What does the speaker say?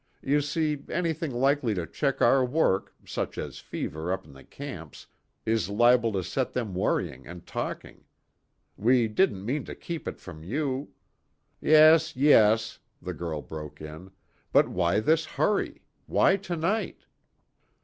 You see, anything likely to check our work, such as fever up in the camps, is liable to set them worrying and talking. We didn't mean to keep it from you " "Yes, yes," the girl broke in. "But why this hurry? Why to night?"